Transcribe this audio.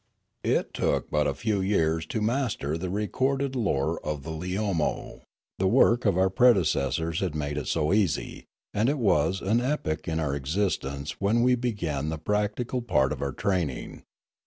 It took but a few years to master the recorded lore of the Leomo, the work of our predecessors had made it so easy, and it was an epoch in our existence when we began the practical part of our training.